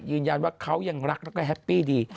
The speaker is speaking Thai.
ยืนยันว่าเขายังรักแล้วก็แฮปปี้ดี